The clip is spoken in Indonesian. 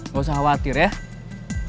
gak usah khawatir ya